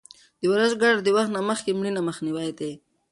د ورزش ګټه د وخت نه مخکې مړینې مخنیوی دی.